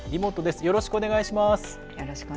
よろしくお願いします。